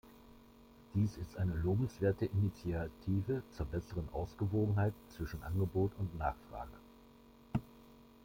Dies ist eine lobenswerte Initiative zur besseren Ausgewogenheit zwischen Angebot und Nachfrage.